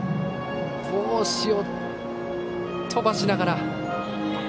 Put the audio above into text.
帽子を飛ばしながら。